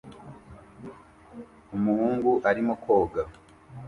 Umuhungu arimo koga